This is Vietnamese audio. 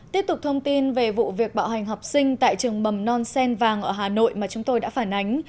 tiếp tục thông tin về vụ việc bạo hành học sinh tại trường mầm non sen vàng ở hà nội mà chúng tôi đã phản ánh